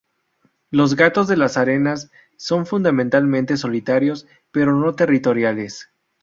Los gatos de las arenas son fundamentalmente solitarios, pero no territoriales.